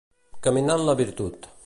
Caminar en la virtut.